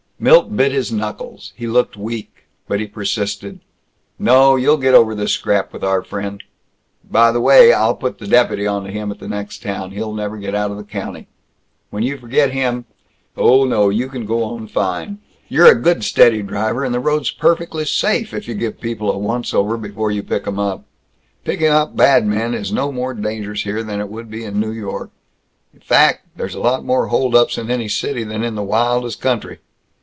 Milt bit his knuckles. He looked weak. But he persisted, "No, you'll get over this scrap with our friend. By the way, I'll put the deputy onto him, in the next town. He'll never get out of the county. When you forget him Oh no, you can go on fine. You're a good steady driver, and the road's perfectly safe if you give people the once over before you pick 'em up. Picking up badmen is no more dangerous here than it would be in New York. Fact, there's lot more hold ups in any city than in the wildest country.